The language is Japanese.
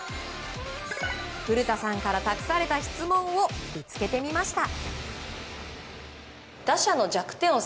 古田さんから託された質問をぶつけてみました。